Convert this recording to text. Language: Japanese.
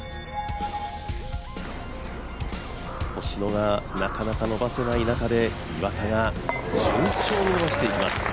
星野がなかなか伸ばせない中で、岩田が順調に伸ばしていきます。